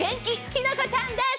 きのこちゃんです。